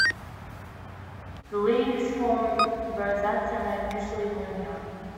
The leaves form rosettes and are usually linear.